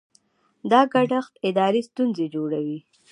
دا ګډښت اداري ستونزې جوړوي.